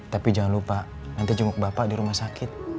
tapi jangan lupa nanti jumbo ke bapak dirumah sakit